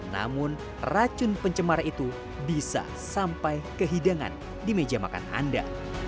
namun racun pencemaran itu bisa sampai kehidangan di meja makan anda